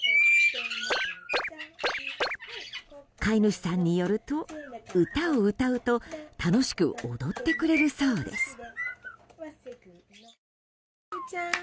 飼い主さんによると歌を歌うと楽しく踊ってくれるそうです。